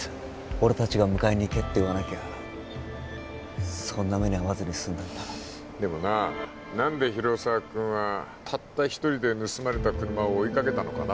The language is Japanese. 俺達が迎えに行けって言わなきゃそんな目に遭わずに済んだんだでもななんで広沢君はたった一人で盗まれた車を追いかけたのかな